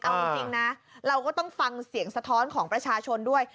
เอาจริงนะเราก็ต้องฟังเสียงสะท้อนของประชาชนด้วย